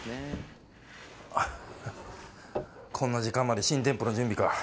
こんな時間まで新店舗の準備か。